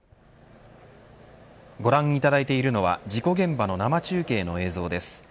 ご覧いただいているのは事故現場の生中継の映像です。